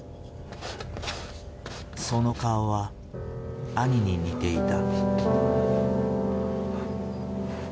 その顔は兄に似ていた。